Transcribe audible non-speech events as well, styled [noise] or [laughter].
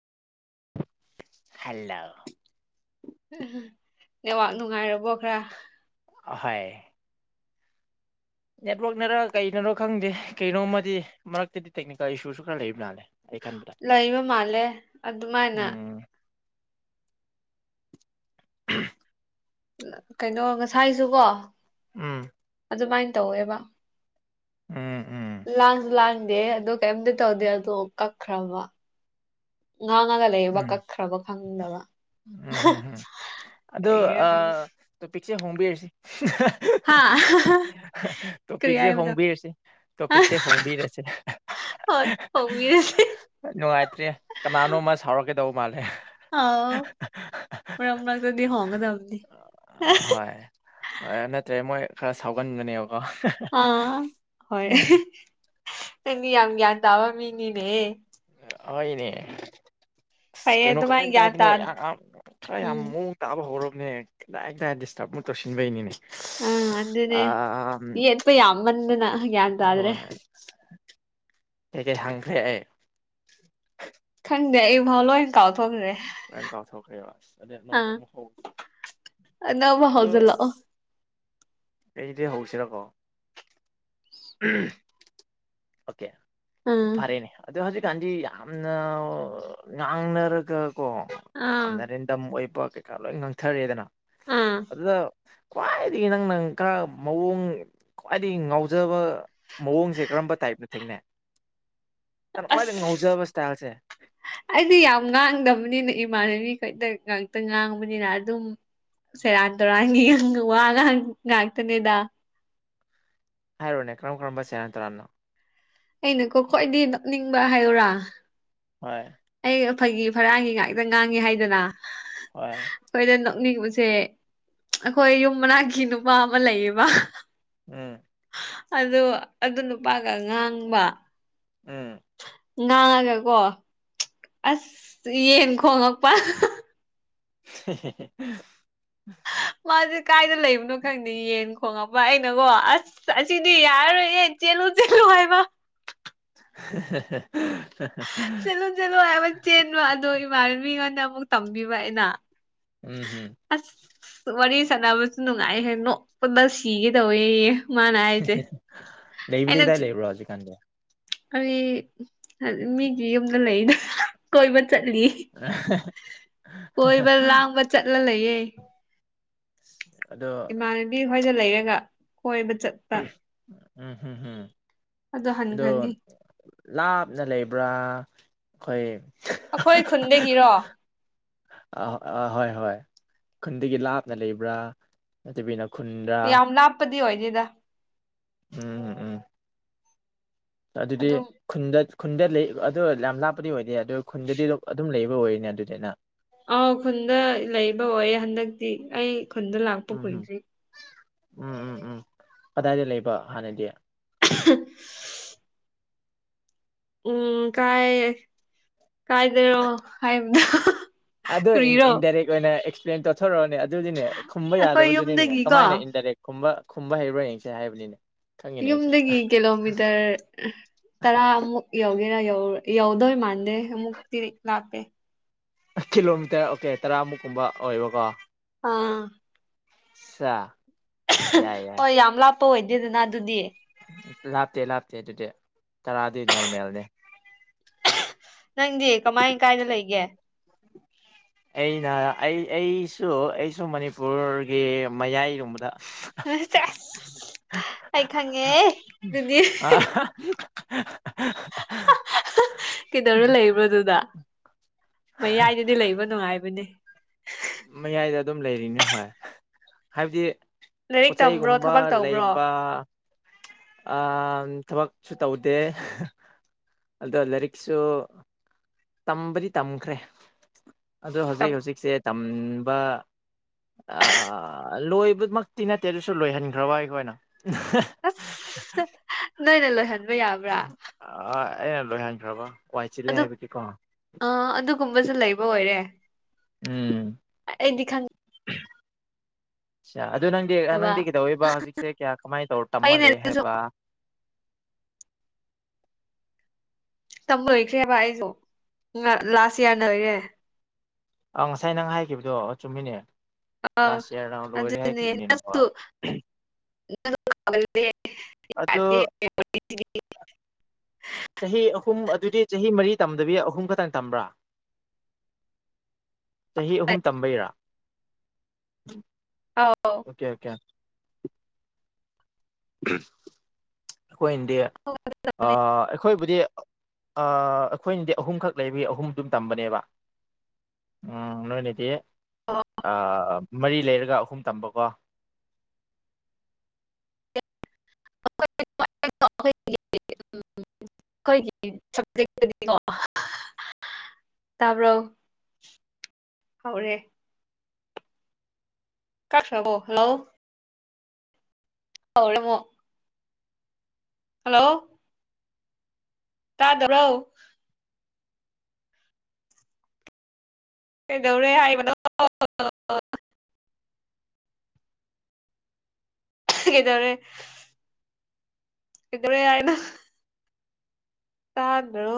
ꯍꯥꯜꯂꫭ ꯅꯦꯋꯥꯛ ꯅꯨꯡꯉꯥꯏꯔꯕꯣ ꯈꯔ ꯍꯣꯏ ꯅꯦꯠꯋꯛꯅꯔ ꯀꯩꯅꯔꯣ ꯈꯪꯗꯦ ꯀꯩꯅꯣꯃꯗꯤ ꯃꯔꯛꯇꯗꯤ ꯇꯦꯛꯅꯤꯀꯦꯜ ꯏꯁꯨꯁꯨ ꯈꯔ ꯂꯩꯕ ꯃꯥꯜꯂꯦ ꯑꯩ ꯈꯟꯕꯗ ꯂꯩꯕ ꯃꯥꯜꯂꯦ ꯑꯗꯨꯃꯥꯏꯅ ꯎꯝ ꯀꯩꯅꯣ ꯉꯁꯥꯏꯁꯨꯀꯣ ꯎꯝ ꯑꯗꯨꯃꯥꯏꯅ ꯇꯧꯋꯦꯕ ꯎꯝ ꯎꯝ ꯂꯥꯡꯁꯨ ꯂꯥꯡꯗꯦ ꯑꯗꯨ ꯀꯩꯝꯇ ꯇꯧꯗꯦ ꯑꯗꯣ ꯀꯛꯈ꯭ꯔꯕ ꯉꯥꯡꯉꯥꯒ ꯂꯩꯕ ꯀꯛꯈ꯭ꯔꯥꯕ ꯐꯪꯗꯕ ꯎꯝꯝ ꯑꯗꯣ ꯀꯔꯤꯒꯤꯔ ꯈꯪꯗꯦ ꯑꯥ ꯇꯣꯄꯤꯛꯁꯦ ꯍꯣꯡꯕꯤꯔꯁꯤ ꯍꯥꯥ ꯇꯣꯄꯤꯛꯁꯦ ꯍꯣꯡꯕꯤꯔꯁꯤ ꯇꯣꯄꯤꯛꯁꯦ ꯍꯣꯡꯕꯤꯔꯁꯦ ꯍꫭꯏ ꯍꫭꯡꯕꯤꯔꯁ ꯅꯨꯡꯉꯥꯏꯇ꯭ꯔꯦ ꯀꯅꯥꯅꯣꯃ ꯁꯥꯎꯔꯛꯀꯦꯗꯧꯕ ꯃꯥꯜꯂꯦ ꯑꯥꯎ ꯃꯔꯛ ꯃꯔꯛꯗꯗꯤ ꯍꯣꯡꯒꯗꯕꯅꯤ ꯍꯣꯏ ꯅꯠꯇ꯭ꯔꯦ ꯃꯣꯏ ꯈꯔ ꯁꯥꯎꯒꯟꯒꯅꯦꯕꯀꯣ ꯑꯥ ꯍꯣꯏ ꯅꯪꯗꯤ ꯌꯥꯝ ꯒ꯭ꯌꯥꯟ ꯇꯥꯕ ꯃꯤꯅꯤꯅꯦꯍ‌ ꯍꯣꯏꯅꯦ ꯑꯁ ꯐꯩꯌꯦ ꯀꯩꯅꯣ ꯀꯗꯥꯏ ꯑꯗꯨꯃꯥꯏꯅ ꯒ꯭ꯌꯥꯟ ꯇꯥ ꯀꯗꯥꯏꯗꯅꫭ ꯌꯥꯝ ꯌꯥꯝ ꯈꯔ ꯌꯥꯝ ꯎꯝ ꯃꯑꯣꯡ ꯇꯥꯕ ꯍꯧꯔꯕꯅꯦ ꯀꯗꯥꯏ [unintelligible] ꯗꯤꯁꯇꯔꯕ ꯑꯃꯨꯛ ꯇꯧꯁꯤꯟꯕꯩꯅꯤꯅꯦ ꯎꯝ ꯑꯗꯨꯅꯦ ꯑꯥ ꯌꯦꯠꯄ ꯌꯥꯝꯃꯟꯗꯅ ꯒ꯭ꯌꯥꯟ ꯇꯥꯗ꯭ꯔꯦ ꯍꯣꯏ ꯀꯩ ꯀꯩ ꯍꯪꯈ꯭ꯔꯦ ꯑꯩ ꯈꯪꯗꯦ ꯑꯩ ꯏꯐꯥꯎ ꯂꯣꯏ ꯀꯥꯎꯊꯣꯛꯈ꯭ꯔꯦ ꯂꫭꯏ ꯀꯥꯎꯊꯣꯛꯈ꯭ꯔꯦꯕ ꯑꯁ ꯑꯗꯩ ꯑꯅꯧꯕ ꯑꯃ ꯍꯧꯗ ꯑꯅꯧꯕ [unintelligible] ꯑꯗꯣ ꯍꯧꯖꯤꯜꯂꯛꯑꯣ ꯑꯁ ꯀꯩꯗꯩ ꯍꯧꯁꯤꯔꯀꯣ ꯑꯣꯀꯦ ꯑꯥ ꯐꯔꯦꯅꯦ ꯑꯗꯣ ꯍꯧꯖꯤꯛꯀꯥꯟꯗꯤ ꯌꯥꯝꯅ ꯉꯥꯡꯅꯔꯒ ꯀꯣ ꯑꯥ ꯌꯥꯝꯅꯔꯦꯟ ꯗꯝ ꯑꯣꯏꯕ ꯀꯩꯀꯥ ꯂꯣꯏ ꯉꯥꯡꯊꯔꯦꯗꯅ ꯑꯥ ꯑꯗꯨꯗ ꯈ꯭ꯋꯥꯏꯗꯒꯤ ꯅꯪꯅꯪ ꯈꯔ ꯃꯑꯣꯡ ꯈ꯭ꯋꯥꯏꯗꯒꯤ ꯉꯥꯎ ꯐꯖꯕ ꯃꯑꯣꯡꯁꯦ ꯀꯔꯝꯕ ꯇꯥꯏꯞꯅ ꯊꯦꯡꯅꯩ ꯅꯪꯅꯥ ꯈ꯭ꯋꯥꯏꯗꯩ ꯑꯁ ꯉꯧꯖꯕ ꯏꯁ꯭ꯇꯥꯏꯜꯁꯦ ꯑꯩꯗꯤ ꯌꯥꯝ ꯉꯥꯡꯗꯕꯅꯤꯅ ꯏꯃꯥꯟꯅꯕꯤ ꯈꯩꯗ ꯉꯥꯛꯇ ꯉꯥꯡꯕꯅꯤꯅ ꯑꯗꯨꯝ ꯁꯦꯔꯥꯟ ꯇꯨꯔꯥꯟꯒꯤ ꯋꯥ ꯉꯥꯡ ꯉꯥꯛꯇꯅꯦꯗ ꯍꯥꯏꯔꯣꯅꯦ ꯀꯔꯝ ꯀꯔꯝꯕ ꯁ‌ꯦꯔꯥꯟ ꯇꯨꯔꯥꯟꯅꯣ ꯑꯩꯅꯀꯣ ꯈ꯭ꯋꯥꯏꯗꯒꯤ ꯅꯣꯛꯅꯤꯡꯕ ꯍꯥꯏꯌꯨꯔꯥ ꯍꯣꯏ ꯑꯩ ꯐꯩꯒꯤ ꯐꯔꯥꯒꯤ ꯉꯥꯛꯇ ꯉꯥꯡꯉꯤ ꯍꯥꯏꯗꯅ ꯍꯣꯏ ꯑꯩꯈꯣꯏꯗ ꯅꯣꯛꯅꯤꯡꯕꯁꯦ ꯑꯩꯈꯣꯏ ꯌꯨꯝ ꯃꯅꯥꯛꯀꯤ ꯅꯨꯄꯥ ꯑꯃ ꯂꯩꯌꯦꯕ ꯎꯝ ꯑ ꯑꯗꯨ ꯅꯨꯄꯥꯒ ꯉꯥꯡꯕ ꯎꯝ ꯉꯥꯡꯉꯒ ꯀꯣ ꯑꯁ ꯌꯦꯟ ꯈꯣꯡꯉꯛꯄ [inaudible] ꯃꯥꯁꯦ ꯀꯥꯏꯗ ꯂꯩꯕꯅꯣ ꯈꯪꯗꯦ ꯌꯦꯟ ꯈꯣꯉꯛꯄ ꯑꯩꯅꯒꯣ ꯑꯁ ꯑꯁꯤꯗꯤ ꯌꯥꯔꯔꯣꯏꯌꯦ ꯆꯦꯜꯂꯨ ꯆꯦꯜꯂꯨ ꯍꯥꯏꯕ ꯍ ꯆꯠꯂꯨ ꯆꯠꯂꯨ ꯍꯥꯏꯕ ꯆꯦꯟꯕ ꯑꯗꯣ ꯏꯃꯥꯟꯅꯕꯤꯉꯣꯟꯗ ꯑꯃꯨꯛ ꯇꯝꯕꯤꯕ ꯑꯩꯅ ꯎꯝ ꯍꯝ ꯑꯁ ꯋꯥꯔꯤ ꯁꯥꯟꯅꯕꯁꯨ ꯅꯨꯡꯉꯥꯏ ꯍ ꯅꯣꯛꯄꯗ ꯁꯤꯒꯦ ꯇꯧꯋꯦꯌꯦ ꯃꯥꯅ ꯍꯥꯏꯁꯦ ꯂꯩꯕꯗꯤ ꯑꯩꯅ ꯀꯗꯥꯏ ꯂꯩꯕꯨꯔꯣ ꯍꯧꯖꯤꯛꯀꯥꯟꯗꯤ ꯑꯩ ꯃꯤꯒꯤ ꯌꯨꯝꯗ ꯂꯩꯗ ꯀꯣꯏꯕ ꯆꯠꯂꯤ ꯑ ꯀꯣꯏꯕ ꯂꯥꯡꯕ ꯆꯠꯂ ꯂꯩꯌꯦ ꯑꯗꯣ ꯏꯃꯥ ꯈꯣꯏꯗ ꯂꯩꯔꯒ ꯀꯣꯏꯕ ꯆꯠ ꯎꯝ ꯎꯝ ꯎꯝ ꯑꯗꯣ ꯂꯥꯞꯅ ꯂꯩꯕ꯭ꯔꯥ ꯑꯩꯈꯣꯏ ꯑꯩꯈꯣꯏ ꯈꯨꯟꯗꯒꯤꯔꯣ ꯑ ꯑ ꯍꯣꯏ ꯍꯣꯏ ꯈꯨꯟꯗꯒꯤ ꯂꯥꯞꯅ ꯂꯩꯕ꯭ꯔꯥ ꯅꯠꯇꯕꯤꯅ ꯈꯨꯟꯗ꯭ꯔꯥ ꯌꯥꯝ ꯂꯥꯞꯄꯗꯤ ꯑꯣꯏꯗꯦꯗ ꯎꯝ ꯎꯝ ꯎꯝ ꯑꯗꯨꯗꯤ ꯑꯗꯨꯝ ꯈꯨꯟꯗ ꯈꯨꯟꯗ ꯂꯩ ꯑꯗꯣ ꯌꯥꯝ ꯂꯥꯞꯄꯗꯤ ꯑꯣꯏꯗꯦ ꯑꯗꯣ ꯈꯨꯟꯗꯗꯤ ꯑꯗꯨꯝ ꯂꯩꯕ ꯑꯣꯏꯔꯤꯅꯦ ꯑꯗꯨꯗꯅ ꯑꯥꯎ ꯈꯨꯟꯗ ꯂꯩꯕ ꯑꯣꯏꯌꯦ ꯍꯟꯗꯛꯇꯤ ꯑꯩ ꯈꯨꯟꯗ ꯂꯥꯛꯄ ꯎꯝ ꯀꯨꯏꯗ꯭ꯔꯤ ꯎꯝ ꯎꯝ ꯎꯝ ꯎꯝ ꯀꯗꯥꯏꯗ ꯂꯩꯕ ꯍꯥꯟꯅꯗꯤ ꯎꯝ ꯀꯥꯏ ꯀꯥꯏꯗꯔꯣ ꯍꯥꯏꯕꯗ ꯑꯗꯨꯗꯣ ꯀꯔꯤꯔꯣ ꯏꯟꯗꯥꯏꯔꯦꯛ ꯑꯣꯏꯅ ꯑꯦꯛꯁꯄ꯭ꯂꯦꯟ ꯇꯧꯊꯣꯔꯛꯑꯣꯅꯦ ꯑꯗꯨꯗꯤꯅꯦ ꯈꯨꯝꯕ ꯑꯩꯈꯣꯏ ꯌꯥꯗꯕꯗꯨꯅꯤꯅꯦꯅꯦ ꯌꯨꯝꯗꯒꯤꯀꯣ ꯀꯃꯥꯏꯅ ꯏꯟꯗꯥꯏꯔꯦꯛ ꯈꯨꯝꯕ ꯈꯨꯝꯕ ꯍꯩꯕ꯭ꯔꯣꯕꯥꯔ ꯌꯦꯡꯁꯦ ꯍꯥꯏꯕꯅꯤꯅꯦ ꯈꯪꯉꯤꯅꯦ ꯑꯩꯁꯨ ꯌꯨꯝꯗꯒꯤ ꯀꯤꯂꯣꯃꯤꯇꯔ ꯇꯔꯥꯃꯨꯛ ꯌꯧꯒꯦꯔ ꯌꯧ ꯌꯧꯗꯣ ꯃꯥꯥꯟꯗꯦ ꯑꯃꯨꯛꯇꯤ ꯂꯥꯛꯄꯦ ꯀꯤꯂꯣꯃꯤꯇꯔ ꯑꯣꯀꯦ ꯇꯔꯥꯃꯨꯛꯀꯨꯝꯕ ꯑꯣꯏꯕꯀꯣ ꯑꯥ ꯁ ꯍꯣꯏ ꯌꯥꯝ ꯂꯥꯞꯄ ꯑꯣꯏꯗꯦꯗꯅ ꯑꯗꯨꯗꯤ ꯂꯥꯞꯇꯦ ꯂꯥꯞꯇꯦ ꯑꯗꯨꯗꯤ ꯇꯔꯥꯗꯤ ꯅꯣꯔꯃꯦꯜꯅꯦ ꯅꯪꯗꯤ ꯀꯃꯥꯏ ꯀꯥꯏꯗ ꯂꯩꯒꯦ ꯑꯩꯅ ꯑꯩ ꯑꯩꯁꯨ ꯑꯩꯁꯨ ꯃꯅꯤꯄꯨꯔꯒꯤ ꯃꯌꯥꯏꯒꯨꯝꯕꯗ ꯑꯩ ꯈꯪꯉꯦ ꯑꯗꯨꯗꯤ ꯑꯥ [unintelligible] ꯀꯩꯗꯧꯔ ꯂꯩꯕ꯭ꯔꯣꯗꯨꯗ ꯃꯌꯥꯏꯗꯗꯤ ꯂꯩꯕ ꯅꯨꯡꯉꯥꯏꯕꯅꯦ ꯃꯌꯥꯏꯗ ꯑꯗꯨꯝ ꯂꯩꯔꯤꯅꯦ ꯍꯣꯏ ꯍꯥꯏꯕꯗꯤ ꯂꯥꯏꯔꯤꯛ ꯇꯝꯕ꯭ꯔꯣ ꯄꯣꯠꯆꯩꯒꯨꯝꯕ ꯊꯕꯛ ꯇꯧꯕ꯭ꯔꯣ ꯂꯩꯕ ꯊꯕꯛꯁꯨ ꯇꯧꯗꯦ ꯑꯗꯣ ꯂꯥꯏꯔꯤꯛꯁꯨ ꯇꯝꯕꯗꯤ ꯇꯝꯈ꯭ꯔꯦ ꯑꯗꯣ ꯍꯧꯖꯤꯛ ꯇꯝ ꯍꯧꯖꯤꯛꯁꯦ ꯇꯝꯕ꯫ ꯂꯣꯏꯕꯃꯛꯇꯤ ꯅꯠꯇꯦ ꯑꯗꯨꯁꯨ ꯂꯣꯏꯍꯟꯈ꯭ꯔꯕ ꯑꯩꯈꯣꯏꯅ ꯑꯁ ꯅꯣꯏꯅ ꯂꯣꯏꯍꯟꯕ ꯌꯥꯕ꯭ꯔꯥ꯫ ꯑ ꯑꯩꯅ ꯂꯣꯏꯍꯟꯈ꯭ꯔꯕꯣ ꯋꯥꯏ ꯆꯤꯂꯦ ꯑꯗꯨ ꯍꯥꯏꯕꯒꯤꯀꯣ ꯑ ꯑꯗꯨꯒꯨꯝꯕꯁꯨ ꯂꯩꯕ ꯑꯣꯏꯔꯦ ꯎꯝ ꯑꯦꯗꯤ ꯈꯥꯟ ꯑ ꯑꯗꯨ ꯅꯪꯗꯤ ꯈꯪꯗꯕ ꯅꯪꯗꯤ ꯀꯩꯗꯧꯕ ꯍꯧꯖꯤꯛꯁꯦ ꯀꯌꯥ ꯀꯃꯥꯏꯅ ꯇꯧꯔ ꯑꯩꯅ ꯇꯝꯃꯜꯂ ꯑꯗꯨꯁꯨ ꯍꯥꯏꯕ ꯇꯝꯕ ꯂꯣꯏꯈ꯭ꯔꯦꯕ ꯑꯩꯁꯨ ꯂꯥꯁ ꯏꯌꯥꯔꯅ ꯂꯩꯔꯦ ꯑꯥꯎ ꯉꯁꯥꯏ ꯅꯪ ꯍꯥꯏꯈꯤꯕꯗꯣ ꯆꯨꯝꯃꯤꯅꯦ ꯑ ꯂꯥꯁ ꯏꯌꯥꯔ ꯂꯣꯏꯔꯦ ꯍꯥꯏꯈꯤꯕꯅꯤꯅꯀꯣ ꯑꯗꯨꯗꯁꯨ ꯑꯗꯣ [unintelligible] [inaudible] ꯆꯍꯤ ꯑꯍꯨꯝ ꯑꯗꯨꯗꯤ ꯆꯍꯤ ꯃꯔꯤ ꯇꯝꯗꯕꯤ ꯑꯍꯨꯝ ꯈꯛꯇꯪ ꯇꯝꯕ꯭ꯔꯥ꯫ [inaudible] [inaudible] ꯆꯍꯤ ꯑꯍꯨꯝ ꯇꯝꯕꯩꯔꯥ ꯑꯣꯀꯦ ꯑꯣꯀꯦ ꯑꯩꯈꯣꯏꯅꯗꯤ ꯑꯩꯈꯣꯏꯕꯨꯗꯤ ꯑꯩꯈꯣꯏꯅꯗꯤ ꯑꯍꯨꯝꯈꯛ ꯂꯩꯔꯤ ꯑꯍꯨꯝ ꯑꯗꯨꯝ ꯇꯝꯕꯅꯦꯕ ꯎ ꯅꯣꯏꯅꯗꯤ ꯃꯔꯤ ꯂꯩꯔꯒ ꯑꯍꯨꯝ ꯇꯝꯕꯀꯣ [inaudible] [unintelligible] ꯑꯩꯈꯣꯏꯒꯤ ꯁꯞꯖꯦꯛꯇꯨꯗꯤꯀꯣ ꯇꯥꯕ꯭ꯔꯣ ꯍꯧꯔꯦ ꯀꯣ ꯍꯜꯂꯣ ꯍꯔꯃꯣ ꯍꯜꯂꯣ ꯇꯥꯗꯔꯣ ꯀꯩꯗꯧꯔꯦ ꯍꯥꯏꯕꯗꯣ ꯀꯗꯔ ꯀꯗꯔ ꯍꯥꯏꯥꯏꯅ ꯇꯗꯣ